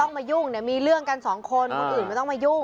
ไม่ต้องมายุ่งมีเรื่องกันสองคนคนอื่นไม่ต้องมายุ่ง